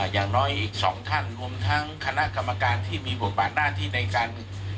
อย่างน้อยอีกสองท่านรวมทั้งคณะกรรมการที่มีบทบาทหน้าที่ในการ